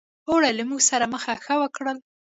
اوړي له موږ سره مخه ښه وکړل.